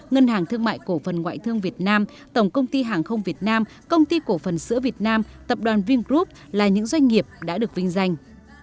ngân hàng thương mại cổ phần ngoại thương việt nam tổng công ty hàng không việt nam công ty cổ phần sữa việt nam tập đoàn vingroup là những doanh nghiệp đã được vinh danh